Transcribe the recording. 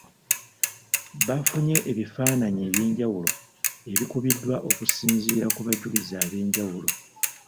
Bafunye ebifaananyi ebyenjawulo ebikubiddwa okusinziira ku bajulizi ab’enjawulo.